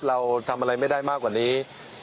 เราทำอะไรไม่ได้มากกว่านี้